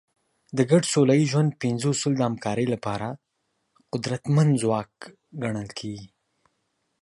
د ګډ سوله ییز ژوند پنځه اصول د همکارۍ لپاره قدرتمند ځواک ګڼل کېږي.